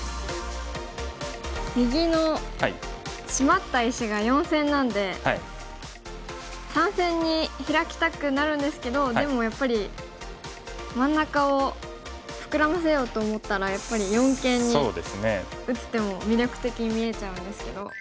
右のシマった石が４線なんで３線にヒラきたくなるんですけどでもやっぱり真ん中を膨らませようと思ったらやっぱり四間に打つ手も魅力的に見えちゃうんですけど。